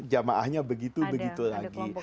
jamaahnya begitu begitu lagi